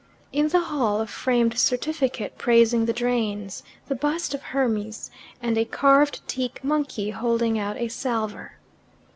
In the hall a framed certificate praising the drains, the bust of Hermes, and a carved teak monkey holding out a salver.